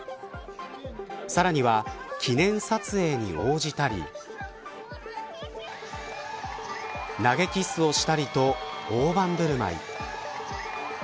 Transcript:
さらには記念撮影に応じたり投げキッスをしたりと大盤振る舞い。